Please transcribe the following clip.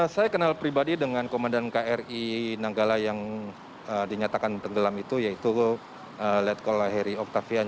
saya kenal pribadi dengan komandan kri nanggala yang dinyatakan tergelam itu yaitu letko lahiri octavian